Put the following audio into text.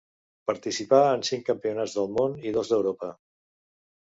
Participà en cinc Campionats del Món i dos d’Europa.